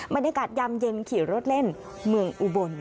บรรยากาศยามเย็นขี่รถเล่นเมืองอุบล